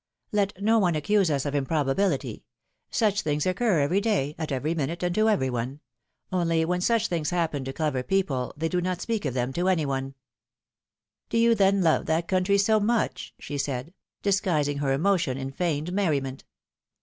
Let no one accuse us of improbability; such things occur every day, at every minute, and to every one — only when such things happen to clever people, they do not speak of them to any one. ^^Do you then love that country so much she said, disguising her emotion in feigned merriment.